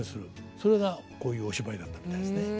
それがこういうお芝居だったみたいですね。